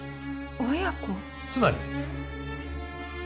つまり。